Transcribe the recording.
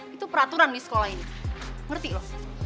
itu peraturan di sekolah ini ngerti lo